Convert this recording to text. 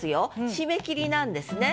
しめ切りなんですね。